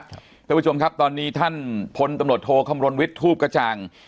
เพื่อผู้ชมครับตอนนี้ท่านพลตำหนดโทคำโรนวิททูปกระจ่าง